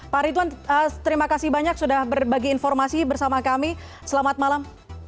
pak ridwan terima kasih banyak sudah berbagi informasi bersama kami selamat malam